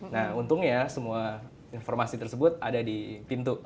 nah untungnya semua informasi tersebut ada di pintu